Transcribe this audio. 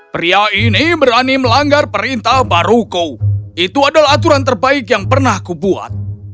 pria ini berani melanggar perintah baruku itu adalah aturan terbaik yang pernah kubuat